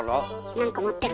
なんか持ってる。